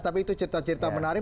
tapi itu cerita cerita menarik